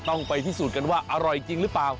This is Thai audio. ต้องไปพิสูจน์กันว่าอร่อยจริงหรือเปล่า